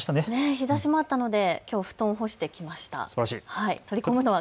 日ざしもあったので布団を干してきました。